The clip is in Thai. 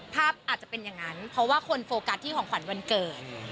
อาจจะเป็นอย่างนั้นเพราะว่าคนโฟกัสที่ของขวัญวันเกิด